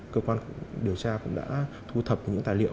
cơ quan điều tra cũng đã thu thập những tài liệu